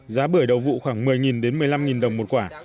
giá bưởi đầu vụ khoảng một mươi một mươi năm đồng một quả